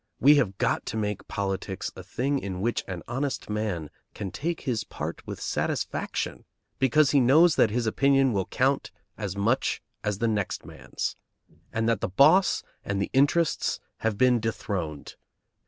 We have got to make politics a thing in which an honest man can take his part with satisfaction because he knows that his opinion will count as much as the next man's, and that the boss and the interests have been dethroned.